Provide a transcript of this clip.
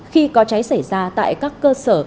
khi có cháy xảy ra tại các cơ sở